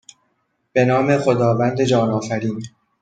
به نام خداوند جان آفرین